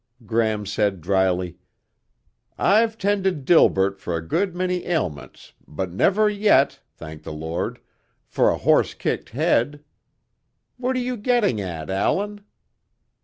Gram said dryly, "I've tended Delbert for a good many ailments but never yet, thank the Lord, for a horse kicked head. What are you getting at, Allan?"